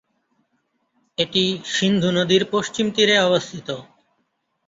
এটি সিন্ধু নদীর পশ্চিম তীরে অবস্থিত।